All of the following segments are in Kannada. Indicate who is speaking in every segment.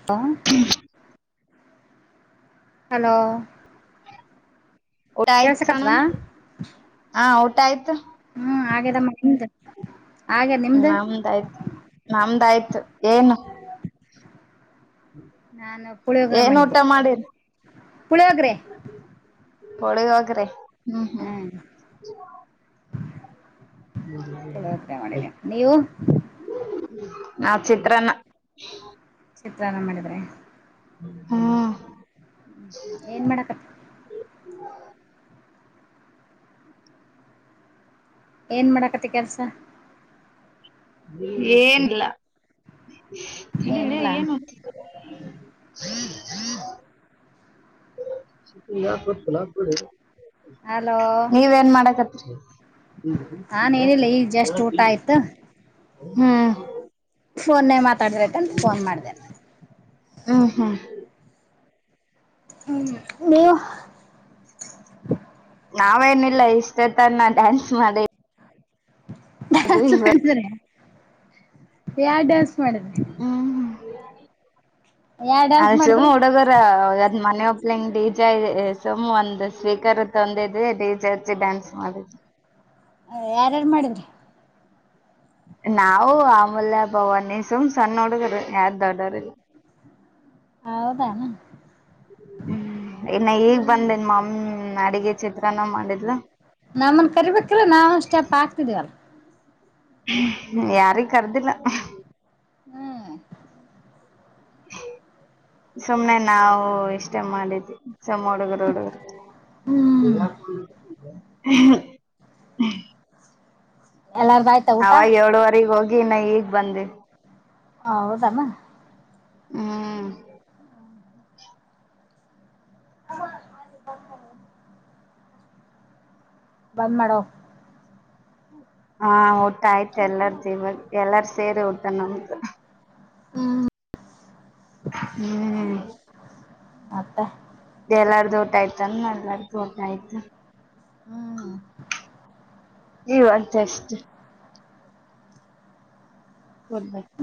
Speaker 1: [unintelligible]
Speaker 2: ಹ್ಮ
Speaker 1: ಹಲೋ
Speaker 2: ಹ
Speaker 1: ಕೇಳ್ಸಕತ್ತದ
Speaker 2: ಊಟ ಆಯ್ತು
Speaker 1: ಹ್ಮ ಆಗೇದ ಅಮ್ಮ ನಿಮ್ದು ಆಗ್ಯದ ನಿಮ್ದು
Speaker 2: ನಮ್ದಾಯ್ತು ಏನು
Speaker 1: ನಾನು ಪುಳಿಯೋಗ್ರ
Speaker 2: ಏನ್ ಊಟ
Speaker 1: ಮಾಡಿದ್ದೆ
Speaker 2: ಮಾಡಿರಿ
Speaker 1: ಪುಳಿಯೋಗ್ರೆ
Speaker 2: ಪುಳಿ ಹೊಗರೆ ಹ್ಮ್ ಹ್ಮ್
Speaker 1: ಪುಳಿ ಹೊಗರೆ ಮಾಡಿನಿ ನೀವು
Speaker 2: ನಾವು ಚಿತ್ರನ್ನ ಹ್ಮ
Speaker 1: ಚಿತ್ರನ್ನ ಮಾಡಿದ್ರೆ
Speaker 2: ಹಾ
Speaker 1: ಏನ್ ಮಾಡಕತ್ತಿ ಏನ್ ಮಾಡಕತಿ ಕೆಲಸ
Speaker 2: ಏನ್ ಇಲ್ಲ
Speaker 1: ಏನಿಲ್ಲ
Speaker 2: ಹ್ಮ್ ಹ್ಮ್
Speaker 1: ಹಲೋ
Speaker 2: ನೀವೇನ್ ಮಾಡಕತ್ರಿ
Speaker 1: ನಾನ ಏನ್ ಇಲ್ಲ ಈಗ ಜಸ್ಟ್ ಊಟ ಆಯ್ತು
Speaker 2: ಹ್ಮ್
Speaker 1: ಫೋನ್ನಾಗ ಮಾತಾಡ ಕತ್ತಿನಿ
Speaker 2: ಹ್ಮ ಹ್ಮ್
Speaker 1: ಹ್ಮ ನೀವು
Speaker 2: ನಾವೇನಿಲ್ಲ ಇಷ್ಟ ತನ ಡ್ಯಾನ್ಸ್ ಮಾಡಿವಿ
Speaker 1: ಡಾನ್ಸ್ ಮಾಡಿದ್ರಿ ಯಾ ಡ್ಯಾನ್ಸ್ ಮಾಡಿದ್ರಿ
Speaker 2: ಹ್ಮ್
Speaker 1: ಯಾವ
Speaker 2: [unintelligible]
Speaker 1: ಡ್ಯಾನ್ಸ್ ಮಾಡಿದ್ರಿ
Speaker 2: ಅದ್ ಮನೆ ಓಪ್ಲಿಂಗ್ ಡಿ ಜೆ ಸುಮ್ ಒಂದ್ ಸ್ವೀಕಾರ ಒಂದಿದೆ ಡಿ ಜೆ ಹಚ್ಚಿ ಡ್ಯಾನ್ಸ್ ಮಾಡಿವೆ
Speaker 1: ಯಾರ್ಯಾರು ಮಾಡಿದ್ರಿ
Speaker 2: ನಾವು ಆಮೂಲ್ಯ ಬವಾನಿ ಸುಮ್ ಸಣ್ಣ ಹುಡುಗರು ಯಾರ ದೊಡ್ಡರ ಇಲ್ಲ
Speaker 1: ಹೌದಾನ
Speaker 2: ಹ್ಮ್ ಇನ್ನ ಈಗ್ ಬಂದೇನ್ ಮಮ್ಮಿ ಅಡಿಗೆ ಚಿತ್ರಾನ್ನ ಮಾಡಿದ್ಲು
Speaker 1: ನಮ್ಮನ್ ಕರಿಬೇಕ್ರ ನಾವ ಒಂದ ಸ್ಟೆಪ್ ಹಾಕ್ತಿದೀವಲ್ಲ
Speaker 2: ಯಾರಿಗಿ ಕರ್ದಿಲ್ಲ
Speaker 1: ಹ್ಮ್
Speaker 2: ಸುಮ್ನೆ ನಾವು ಇಷ್ಟೇ ಮಾಡಿದ್ದೀವಿ ಸುಮ್ಮ ಹುಡುಗರು
Speaker 1: ಹ್ಮ್
Speaker 2: ಹುಡುಗರು
Speaker 1: ಎಲ್ಲಾರ್ [unintelligible]
Speaker 2: ಅವಾಗ ಏಳುವರೆಗೆ ಹೋಗಿ ಇನ್ನ ಈಗ್ ಬಂದಿವಿ
Speaker 1: ಹೌದನ
Speaker 2: ಹ್ಮ
Speaker 1: [unintelligible] ಬಂದ್ ಮಾಡೋ.
Speaker 2: ಹಾ ಊಟ ಆಯ್ತು ಎಲ್ಲಾರ ಸೇರಿ ಊಟ ನಮ್ದು.
Speaker 1: ಹ್ಮ
Speaker 2: ಹ್ಮ್
Speaker 1: ಮತ್ತ.
Speaker 2: ಎಲ್ಲಾರ್ದು ಊಟ ಆಯ್ತು ಏನ್ ಎಲ್ಲಾರ್ದ ಊಟ ಆಯ್ತ
Speaker 1: ಹ್ಮ್
Speaker 2: ಇವಾಗ ಜಸ್ಟ್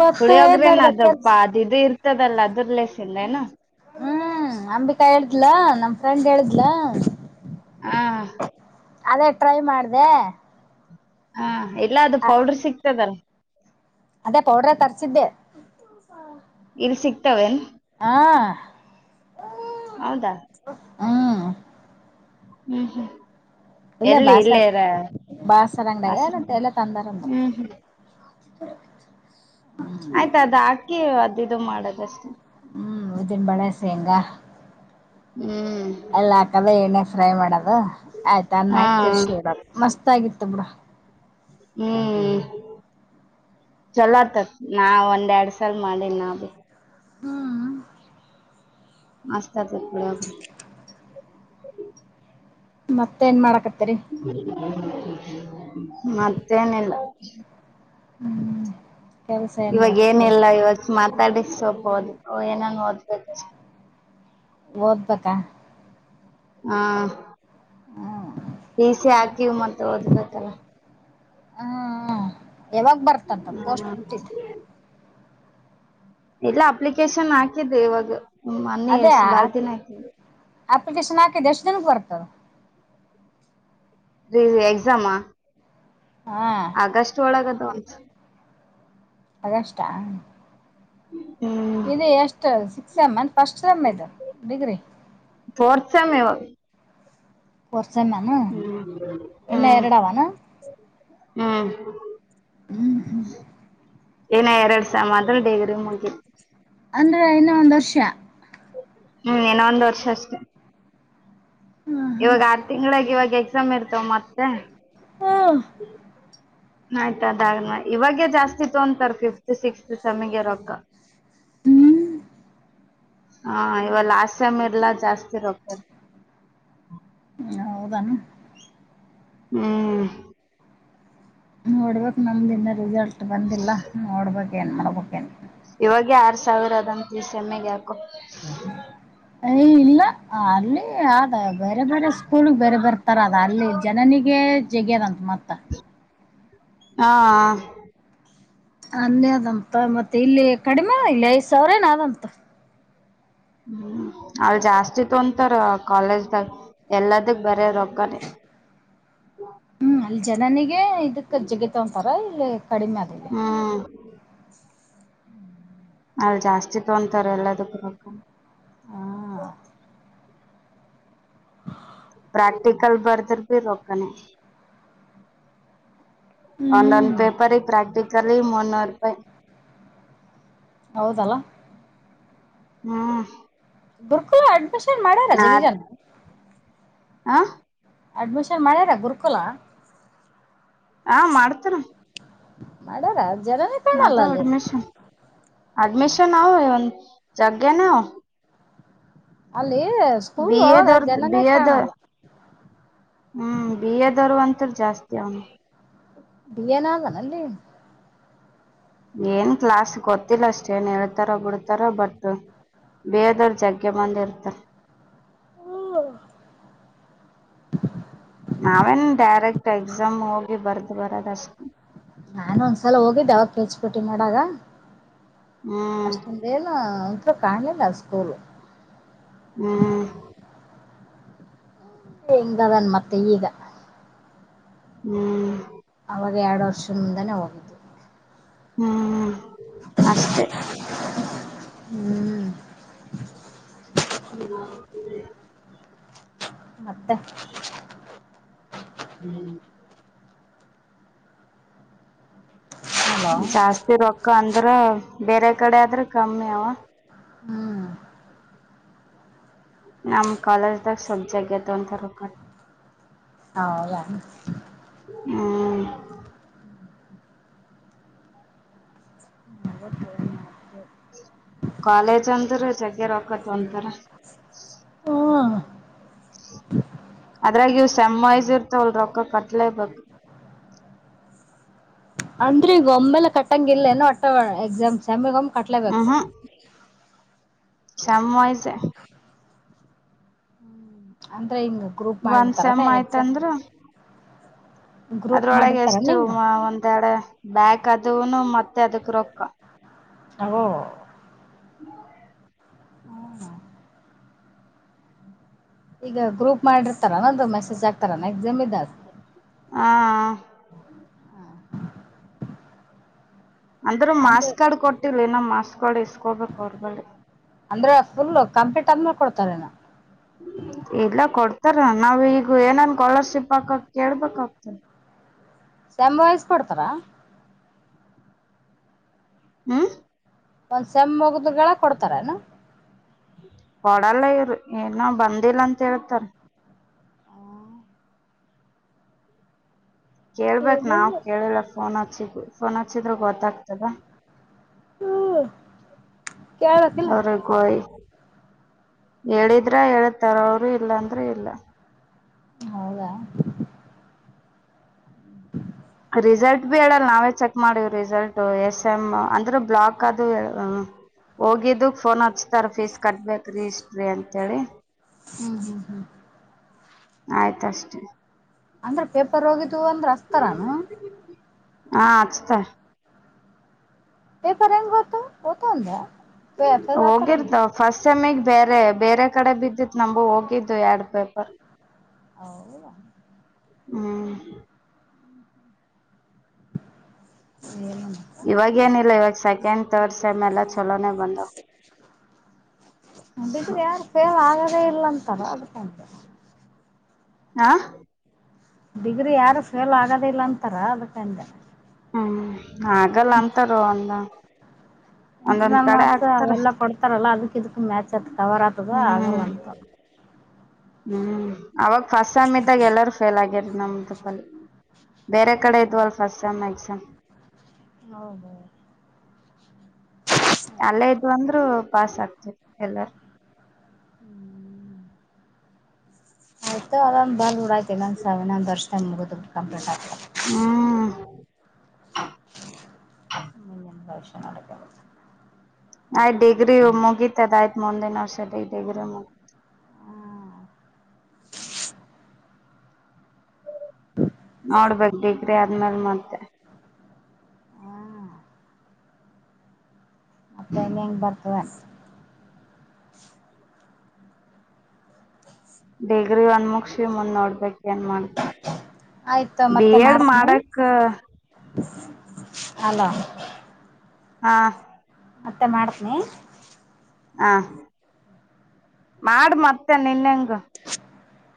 Speaker 1: ಮತ್ತೆ ಏನ್
Speaker 2: ಪುಳಿಯೋಗರೆ
Speaker 1: ನಡ್ದದ
Speaker 2: ಅದು
Speaker 1: ಕೆಲ್ಸ
Speaker 2: ಇದು ಇರ್ತದಲ್ಲ ಅದರ್ ಲೇ ತಿಂದೆ ಏನ
Speaker 1: ಹ್ಮ್ ಅಂಬಿಕಾ ಹೇಳಿದ್ಲ ನಮ್ ಫ್ರೆಂಡ್ ಹೇಲಿದ್ಲ.
Speaker 2: ಹಾ
Speaker 1: ಅದೇ ಟ್ರೈ ಮಾಡದೆ
Speaker 2: ಹಾ ಇಲ್ಲಾ ಅದು ಪೌಡರ್ ಸಿಗ್ತದ.
Speaker 1: ಅದೇ ಪೌಡ್ರ ತರ್ಸಿದ್ದೆ
Speaker 2: ಇಲ್ಲಿ ಸಿಗ್ತಾವೇನ್.
Speaker 1: ಹಾ
Speaker 2: ಹೌದಾ
Speaker 1: ಹ್ಮ
Speaker 2: ಹ್ಮ್ ಹ್ಮ್
Speaker 1: ಇಲ್ಲೇ
Speaker 2: ಎಲ್ಲಿ
Speaker 1: ಬಾಸರ್
Speaker 2: ಇಲ್ಲೆರ
Speaker 1: ಬಾಸರ ಅಂಗಡ್ಯಾಗ ಎಲ್ಲ ತಂದಾರ ಅಂದ್ರ.
Speaker 2: ಹ್ಮ್ ಹ್ಮ್
Speaker 1: [inaudible]
Speaker 2: ಆಯ್ತ ಅದ ಹಾಕಿ ಅದ ಇದು ಮಾಡದಷ್ಟೇ.
Speaker 1: ಹ್ಮ್ ಉದ್ದಿನ ಬೇಳೆ ಶೇಂಗಾ.
Speaker 2: ಹ್ಮ್
Speaker 1: ಎಲ್ಲ ಹಾಕದ ಎಣ್ಣೆಗ ಫ್ರೈ ಮಾಡದ ಆಯ್ತು ಅನ್ನಾ
Speaker 2: ಹಾ
Speaker 1: ಹಾಕಿ ಕಿಸಿ ಬಿಡದ ಮಸ್ತ್ ಆಗಿತ್ತು ಬಿಡ.
Speaker 2: ಹ್ಮ್ ಚಲೋ ಆತದ ನಾ ಒಂದ್ ಎರಡ್ ಸಲ್ ಮಾಡಿನ ಭೀ.
Speaker 1: ಹ್ಮ.
Speaker 2: ಮಸ್ತ ಅಕ್ಕೇತಿ ಪುಳಿಯೋಗರೆ
Speaker 1: ಮತ್ತ ಏನ್ ಮಾಡಾಕತ್ತರಿ.
Speaker 2: ಮತ್ತ ಏನಿಲ್ಲ
Speaker 1: ಹ್ಮ್ ಕೆಲ್ಸ ಏನ್
Speaker 2: ಇವಾಗ ಏನ
Speaker 1: ಮಾಡಕತ್ತರಿ
Speaker 2: ಇಲ್ಲ ಇವತ್ತ ಮಾತಾಡಿ ಸ್ವಲ್ಪ ಏನನ್ ಓದ್ಬೇಕ.
Speaker 1: ಓದ್ಬೇಕಾ.
Speaker 2: ಹಾ
Speaker 1: ಹ್ಮ್
Speaker 2: ಡಿಸಿ ಹಾಕಿವ ಮತ್ತೆ ಓದ್ಬೇಕಲ್ಲ.
Speaker 1: ಹ್ಮ ಯಾವಾಗ ಬರ್ತಂತ ಪೋಸ್ಟ್
Speaker 2: ಹ್ಮ
Speaker 1: ಬಿಟ್ಟಿದ್ದ
Speaker 2: ಇಲ್ಲ ಅಪ್ಲಿಕೇಶನ್ ಹಾಕಿದ್ ಇವಾಗ ಮನ್ನಿ
Speaker 1: ಅದೇ
Speaker 2: ಎಷ್ಟ ಬಾಳ ದಿನ ಆಯ್ತ
Speaker 1: ಅಪ್ಲಿಕೇಶನ್ ಹಾಕಿದ್ದ ಎಷ್ಟ ದಿನಕ್ಕ ಬರುತ್ತ ಅದ
Speaker 2: ರೀ ಎಕ್ಸಾಮಾ.
Speaker 1: ಹಾ
Speaker 2: ಆಗಷ್ಟ ಒಳಗ ಅದಾವ ಅಂತ.
Speaker 1: ಅಗಷ್ಟ.
Speaker 2: ಹ್ಮ್
Speaker 1: ಇದು ಎಷ್ಟು ಸಿಕ್ಸ್ ಸೆಮ್ಮ್ ಏನ್ ಫಸ್ಟ್ ಸೆಮ್ ಇದು ಡಿಗ್ರಿ.
Speaker 2: ಪೋರ್ತ ಸೆಮ್ ಇವಾಗ.
Speaker 1: ಪೋರ್ತ ಸೆಮ್ ಏನ್
Speaker 2: ಹ್ಮ್ ಹ್ಮ್ ಹ್ಮ್. [inaudible]
Speaker 1: ಹ್ಮ್ ಹ್ಮ. [inaudible]
Speaker 2: ಏನ ಎರಡ್ ಸ್ಯಾಮ್ ಆದರ ಡಿಗ್ರಿ ಮುಗೀತ. [inaudible]
Speaker 1: ಅಂದ್ರೆ ಇನ್ನ ಒಂದ ವರ್ಷ.
Speaker 2: ಹ್ಮ್ ಇನ್ನ ಒಂದು ವರ್ಷ ಅಸ್ಟೇ.
Speaker 1: ಹ್ಮ [inaudible]
Speaker 2: ಇವಾಗ ಆರ್ ತಿಂಗಳಾಗಿ ಇವಾಗ ಎಕ್ಸಾಮ್ ಇರ್ತವ ಮತ್ತೆ.
Speaker 1: ಹ್ಮ್
Speaker 2: ಆಯ್ತದಾಗ ಇವಾಗೆ ಜಾಸ್ತಿ ತೊಂತರ್ ಫಿಫ್ತ್ ಸಿಕ್ಸ್ತ್ ಸಮಗೆ ರೊಕ್ಕ.
Speaker 1: ಹ್ಮ್ [inaudible]
Speaker 2: ಹಾ ಇವಲ್ಲ ಲಾಸ್ಟ ಸೇಮ್ ಎಲ್ಲಾ ಜಾಸ್ತಿ ರೊಕ್ಕ.
Speaker 1: ಹ ಹೌದಾನ
Speaker 2: ಹ್ಮ್ [inaudible]
Speaker 1: ನೋಡ್ಬೇಕು ನಮ್ದ ಇನ್ನ ರಿಸಲ್ಟ್ ಬಂದಿಲ್ಲ ನೋಡ್ಬೇಕ ಏನ್ ಮಾಡ್ಬೇಕೇನ್.
Speaker 2: ಇವಾಗೆ ಆರ್ ಸಾವಿರ ಅದಂತ ಈ ಸೇಮ್ಗ ಯಾಕೋ.
Speaker 1: [unintelligible] ಏ ಇಲ್ಲ ಅಲ್ಲಿ ಆದ ಬೇರೆ ಬೇರೆ ಸ್ಕೂಲ್ ಬೇರೆ ಬರ್ತಾರ ಅದ ಅಲ್ಲಿ ಜನನಿಗೆ ಜಗಿಯದಂತ ಮತ್ತ.
Speaker 2: ಹಾ [inaudible]
Speaker 1: ಅನ್ನೇ ಅದಂತ ಮತ್ತೆ ಇಲ್ಲಿ ಕಡಿಮೆ ಇಲ್ಲಿ ಐದ್ ಸಾವಿರ ಏನ ಅಂತ.
Speaker 2: ಹ್ಮ್ ಅಲ್ಲಿ ಜಾಸ್ತಿ ತೊಂತಾರ ಕಾಲೇಜ್ದಾಗ ಎಲ್ಲದಕ ಬರೆ ರೋಕ್ಕಾನೆ.
Speaker 1: ಹ್ಮ್ ಅಲ್ಲಿ ಜನನಿಗೆ ಇದಕ್ ಜಗಿತೊಂತಾರ ಇಲ್ಲಿ ಕಡಿಮೆ ಆದ.
Speaker 2: ಹಾ [inaudible] ಅಲ್ಲಿ ಜಾಸ್ತಿ ತೊಂತಾರ ಎಲ್ಲದಕ್ಕೂ ರೊಕ್ಕ.
Speaker 1: ಹ್ಮ [unintelligible] [inaudible]
Speaker 2: ಪ್ರಾಕ್ಟಿಕಲ್ ಬರ್ದರ್ ರೇ ರೊಕ್ಕಾನೆ. [unintelligible] ಒಂದ ಒಂದು
Speaker 1: ಹ್ಮ್
Speaker 2: ಪೇಪರ್ ಪ್ರಾಕ್ಟಿಕಲಿ ಮುನ್ನೂರು ರೂಪಾಯಿ
Speaker 1: [unintelligible] ಹೌದಲ್ಲ
Speaker 2: ಹ್ಮ್ [inaudible]
Speaker 1: ಬರ್ಕೊ ಆಡಿಮಿಷನ್ ಮಾಡರ ಜಗ್ಗಿಜನ್ನ.
Speaker 2: ಹಾ [unintelligible] [inaudible]
Speaker 1: ಅಡ್ಮಿಷನ್ ಮಾಡ್ಯಾರ ಗುರುಕುಲ.
Speaker 2: ಹಾ ಮಾಡ್ತಾನ.
Speaker 1: [unintelligible] ಮಾಡಾರ
Speaker 2: ಅಥವ ಅಡ್ಮಿಷನ್ ಅಡ್ಮಿಷನ್ ಅವ ಒಂದ್ ಜಗ್ಗೇನು.
Speaker 1: ಅಲ್ಲಿ ಸ್ಕೂಲ್
Speaker 2: ಬಿ ಎ
Speaker 1: ಒಳಗ
Speaker 2: ದ [inaudible] ಬಿ
Speaker 1: ಜನನೇ
Speaker 2: ಎ ದ [inaudible]
Speaker 1: ಕಾಣಲ್ಲ
Speaker 2: ಹ್ಮ್ ಬಿ ಎ ದವರದು ಅಂತು ಜಾಸ್ತಿ ಅವನು.
Speaker 1: ಬಿ ಎ ಯನ ಅದನಲ್ಲಿ.
Speaker 2: ಏನ್ ಕ್ಲಾಸ್ ಗೊತ್ತಿಲ್ಲ ಅಷ್ಟೇ ಏನ್ ಹೇಳ್ತಾರ ಬಿಡ್ತಾರ ಬಟ್. ಬಿ ಎ ದವ್ರು ಜಗ್ಗೆ ಮಂದಿ ಇರ್ತಾರೆ
Speaker 1: ಹಾ [inaudible]
Speaker 2: ನಾವೇನ್ ಡೈರೆಕ್ಟ್ ಎಕ್ಸಾಮ್ ಹೋಗಿ ಬರ್ದು ಬರದಷ್ಟು.
Speaker 1: ನಾನು ಒಂದ್ಸಲ ಹೋಗಿದ್ದೆ ಯಾವಾಗ [inaudible] ಕಲ್ಸ್ಪಟ್ಟಿ ಮಾಡಾಗ
Speaker 2: ಹ್ಮ್
Speaker 1: ಅಷ್ಟೊಂದೇನು. ಅಷ್ಟೊಂದು ಕಾಣಲಿಲ ಸ್ಕೂಲ್.
Speaker 2: ಹ್ಮ್ [inaudible]
Speaker 1: ಹೆಂಗ್ ಅದನ್ ಮತ್ತೆ ಈಗ.
Speaker 2: [inaudible]
Speaker 1: ಅವವಾಗ ಎರಡು ವರ್ಷದ ಮುಂದಾನೆ ಹೋಗಿದು.
Speaker 2: ಹ್ಮ್ ಅಷ್ಟೇ.
Speaker 1: [inaudible]
Speaker 2: [inaudible]
Speaker 1: ಮತ್ತೆ.
Speaker 2: [inaudible]
Speaker 1: ಹಲೋ
Speaker 2: ಜಾಸ್ತಿ ರೊಕ್ಕ ಅಂದ್ರ ಬೇರೆ ಕಡೆ ಆದ್ರೆ ಕಮ್ಮಿ ಅವ.
Speaker 1: [inaudible]
Speaker 2: ನಮ್ ಕಾಲೇಜದಾಗ ಸ್ವಲ್ಪ ಜಗ್ಗೆ ತೋತಾರ.
Speaker 1: ಹೌದಾ.
Speaker 2: [inaudible]
Speaker 1: [inaudible]
Speaker 2: ಕಾಲೇಜ್ ಅಂದ್ರ ಜಗ್ಗೆ ರೊಕ್ಕ ತೋಂತಾರ.
Speaker 1: ಹ್ಮ್
Speaker 2: ಅದ್ರಾಗ ಇವು ಸೇಮ್ ವೈಸ್ ಇರ್ತವಲ್ ರೊಕ್ಕ ಕಟ್ಲೆ ಬೆಕ.
Speaker 1: ಅಂದ್ರೆ ಈಗ ಒಮ್ಮೆಲೆ ಕಟ್ಟಂಗ ಇಿಲ್ಲೇನೋ ವಟ್ಟ ಎಕ್ಸಾಮ್ ಸಮ್ ವಮಿ
Speaker 2: ಹ್ಮ್
Speaker 1: ಕಟ್ಲೇಬೇಕು.
Speaker 2: ಹ್ಮ್ ಸೆಮ್ ವೈಸ್.
Speaker 1: ಅಂದ್ರೆ ಹಿಂಗ ಗ್ರೂಪ್
Speaker 2: ಒಂದ್ ಸೆಮ್
Speaker 1: ಮಾಡಿರ್ತಾರಲ್ಲ ಎಕ್ಸಾಮ್.
Speaker 2: ಆಯ್ತಂದ್ರ
Speaker 1: ಗ್ರೂಪ್
Speaker 2: ಅದ್ರೊಳಗೆ
Speaker 1: ಮಾಡಿರ್ತಾರಲ್ಲ
Speaker 2: ಎಷ್ಟು
Speaker 1: ಹಿಂಗ
Speaker 2: ಒಂದೆಡೆ ಬ್ಯಾಕ್ ಅದುವುನು ಮತ್ತೆ ಅದಕ್ ರೊಕ್ಕ.
Speaker 1: [inaudible]
Speaker 2: [inaudible]
Speaker 1: [inaudible] ಈಗ ಗ್ರೂಪ್ ಮಾಡಿರ್ತಾರಲ್ಲ ಅದು ಮೆಸೇಜ್ ಆಗ್ತಾರ ಏನ್ ಎಕ್ಸಾಮ್ ಇದಾಗ.
Speaker 2: [inaudible] ಅಂದ್ರರು
Speaker 1: ಅಂದ್ರೆ
Speaker 2: ಮಾಸ್ಕ್ ಕಾರ್ಡ್ ಕೊಟ್ಟಿರ್ಲ ಇನ ಮಾಸ್ಕ್ ಕಾರ್ಡ್ ಇಸ್ಕೊಬೇಕು ಅವ್ರ ಬಳ್ಳಿ.
Speaker 1: ಅಂದ್ರೆ ಫುಲ್ ಕಂಪ್ಲೀಟ್ ಆದ್ಮೇಲೆ ಕೊಡ್ತಾರೆ ಏನ್.
Speaker 2: ಇಲ್ಲ ಕೊಡ್ತಾರ ನಾವ್ ಈಗ ಏನನ್ ಕಾಲರ್ಶಿಪ್ ಹಾಕಕ್ ಕೇಳ್ಬೇಕಾಗ್ತದೆ.
Speaker 1: ಸೇಮ್ ವಾಯ್ಸ್ ಕೊಡ್ತಾರಾ.
Speaker 2: [inaudible]
Speaker 1: ಒಂದ್ ಸೆಮ್ಮ ಮುಗ್ದ್ ಗಳ ಕೊಡ್ತಾರನೆ.
Speaker 2: ಕೊಡಲ್ಲ ಇವರು ಇನಾ ಬಂದಿಲ್ಲ ಅಂತ ಹೇಳ್ತಾರ. ಕೇಳ್ಬೇಕ್ ನಾವ್
Speaker 1: ಏನೇನು
Speaker 2: ಕೇಳಿಲ್ಲ ಫೋನ್ ಹಚ್ಚಿದ ಫೋನ್ ಹಚ್ಚಿದ್ರೆ ಗೊತ್ತಾಗ್ತದ.
Speaker 1: ಹ್ಮ [unintelligible] ಕೇಳಬೇಕಿಲ್ಲ.
Speaker 2: ವಯಿ ಹೇಳಿದ್ರ ಹೇಳತಾರ ಅವರು ಇಲ್ಲ ಅಂದ್ರೆ ಇಲ್ಲ.
Speaker 1: ಹೌದಾ. [inaudible]
Speaker 2: ರಿಸಲ್ಟ್ ಬಿ ಹೇಳಡಲ್ಲ ನಾವೇ ಚಕ್. ಮಾಡಿವ್ ರಿಸಲ್ಟ್ ಎಸ್ ಎಮ್ ಅಂದ್ರೆ ಬ್ಲಾಕ್ ಅದು. ಹೋಗಿದಕ್ ಫೋನ್ ಹಚ್ತಾರ ಫೀಸ್ ಕಟ್ಬೇಕು ರರಿಜಿಸ್ಟ್ರಿ ಅಂತಹೇಳಿ.
Speaker 1: [inaudible]
Speaker 2: ಆಯ್ತಷ್ಟೇ.
Speaker 1: ಅಂದ್ರೆ ಪೇಪರ್ ಹೋಗಿದ್ದವು ಅಂದ್ರೆ ಅಚತಾರಾನ.
Speaker 2: ಹಾ ಅಚತಾರ.
Speaker 1: ಪೇಪರ್ ಎಂಗ್ ಹೊತವ ಹೊತವ ಅಂದ್ಯಾ.
Speaker 2: ಹೋಗಿರ್ತ ಫಸ್ಟ್ ಸೆಮಗ್ ಬೇರೆ ಬೇರೆ ಕಡೆ ಬಿದ್ದಿತ್ ನಂಬು ಹೋಗಿದ್ದು ಎರಡ್ ಪೇಪರ್.
Speaker 1: ಹೌದ [inaudible]
Speaker 2: ಹ್ಮ್ [inaudible]
Speaker 1: ಸೇ [inaudible]
Speaker 2: ಇವಾಗ ಏನಿಲ್ಲ ಇವಾಗ ಸೆಕೆಂಡ್ ತರ್ಡ್ ಸೆಮ್ ಎಲ್ಲಾ ಚಲೋನನೆ ಬಂದವಾ.
Speaker 1: ಬಿದ್ರ ಯಾರು ಫೇಲ್ ಆಗದೇ ಇಲ್ಲ ಅಂತಾರ ಅದಕ್ಕ.
Speaker 2: ಹಾ [inaudible]
Speaker 1: ಡಿಗ್ರಿ ಯಾರು ಫೇಲ್ ಆಗೋದಿಲ್ಲ ಅಂತಾರ ಅದಕಂದೆ.
Speaker 2: ಹ್ಮ್ ಹಾಗಲ್ಲ ಅಂತಾರ ಒಂದ. ಒಂದೊಂದ್
Speaker 1: ಇಂಟರ್ನಲ್
Speaker 2: ಕಡೆ
Speaker 1: ಮಾರ್ಕ್ಸ್
Speaker 2: ಆಗ್ತಾರ
Speaker 1: ಅವೆಲ್ಲ ಕೊಡ್ತಾರಲ್ಲ ಅದಕ್ ಇದಕ್ ಮ್ಯಾಚ್ ಆತ್ ಕವರ್ ಆತದ
Speaker 2: ಹ್ಮ್
Speaker 1: ಆಗಲ್ಲಂತ.
Speaker 2: ಹ್ಮ್ ಅವಾಗ ಫಸ್ಟ್ ಸೇಮ್ ಇದ್ದಾಗ ಎಲ್ಲಾರು ಫೇಲ್ ಆಗಿದ್ದ ನಮ್ಮ ಗ್ರೂಪ್ ಅಲ್ಲಿ. ಬೇರೆ ಕಡೆ ಇದ್ವಲ್ ಫಸ್ಟ್ ಸೇಮ್ ಎಕ್ಸಾಮ್.
Speaker 1: [unintelligible] ಹೌದ [inaudible]
Speaker 2: ಅಲ್ಲೇ ಇದ್ದು ಅಂದ್ರ ಪಾಸ್ ಆಗ್ತೀರಿ ಏಲ್ಲರು.
Speaker 1: [unintelligible] ಐತ್ತು ಅದೊಂದು ಬರದುಬಿಡು ಅಯ್ತು [unintelligible] ಇನ್ನೊಂದ [inaudible] ಸೆವೆನ್ ಒಂದ ವರ್ಷ ಮುಗದ ಕಂಪ್ಲೀಟ್ ಆಗ್ತದ.
Speaker 2: ಹ್ಮ್ [inaudible]
Speaker 1: [unintelligible]
Speaker 2: ಆಯ್ತ್ ಡಿಗ್ರಿ ಮುಗಿತತದ ಆಯ್ತ್ ಮುಂದಿನ ವರ್ಷದ ಇದೆ ಡಿಗ್ರಿ ಮುಗ. ನೋಡ್ಬೇಕ್ ಡಿಗ್ರಿ ಆದ್ಮೇಲ್ ಮತ್ತೆ.
Speaker 1: ಹ್ಮ್ [inaudible] ಮತ್ತೆ ಹೆಂಗ ಹೆಂಗ್ ಬರ್ತವ.
Speaker 2: ಡಿಗ್ರಿ ಒಂದ್ ಮುಗಸಿ ಮುಂದ್ ನೋಡ್ಬೇಕ ಏನ್ ಮಾಡ [inaudible] ಬಿ ಎಡ್ ಮಾಡಕ್
Speaker 1: ಹಲ್ಲೋ [inaudible]
Speaker 2: ಹಾ [inaudible]
Speaker 1: ಮತ್ತೆ ಮಾಡ್ತಿನಿ
Speaker 2: ಹಾ [unintelligible] ಮಾಡ ಮತ್ತೆ ನಿನ್ ಹೆಂಗ.
Speaker 1: [inaudible]